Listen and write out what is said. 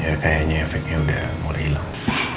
ya kayaknya efeknya udah mulai hilang